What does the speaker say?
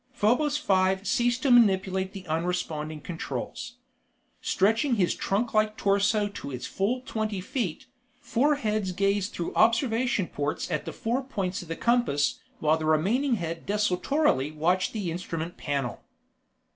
Probos Five ceased to manipulate the unresponding controls. Stretching his trunklike torso to its full twenty feet, four heads gazed through observation ports at the four points of the compass while the remaining head desultorily watched the instrument panel.